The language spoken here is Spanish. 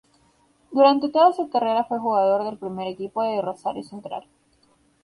Durante toda su carrera fue jugador del primer equipo de Rosario Central.